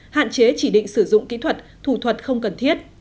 hạn chế chỉ định sử dụng kỹ thuật thủ thuật không cần thiết